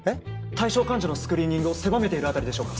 ・対象患者のスクリーニングを狭めている辺りでしょうか？